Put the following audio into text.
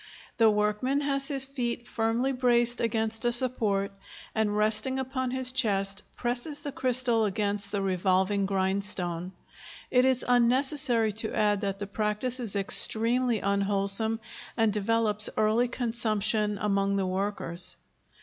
The workman has his feet firmly braced against a support, and, resting upon his chest, presses the crystal against the revolving grindstone. It is unnecessary to add that the practice is extremely unwholesome and develops early consumption among the workers.